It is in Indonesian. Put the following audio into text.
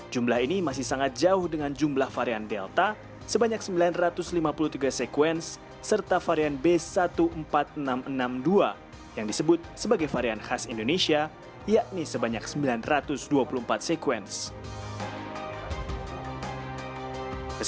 jumlah ini masih sangat jauh dengan jumlah varian delta sebanyak sembilan ratus lima puluh tiga sekuens serta varian b satu empat ribu enam ratus enam puluh dua yang disebut sebagai varian khas indonesia yakni sebanyak sembilan ratus dua puluh empat sekuens